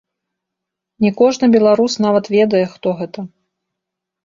Не кожны беларус нават ведае, хто гэта.